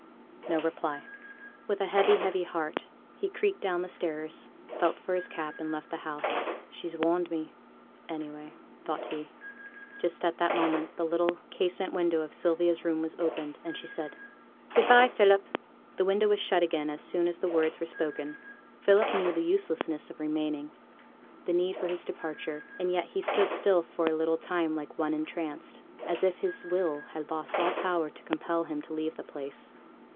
No reply. With a heavy, heavy heart he creaked down the stairs, felt for his cap, and left the house. 'She's warned, any way,' thought he. Just at that moment the little casement window of Sylvia's room was opened, and she said 'Good by, Philip!' The window was shut again as soon as the words were spoken. Philip knew the uselessness of remaining; the need for his departure; and yet he stood still for a little time like one entranced, as if his will had lost all power to compel him to leave the place.